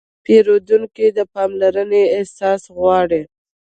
پیرودونکی د پاملرنې احساس غواړي.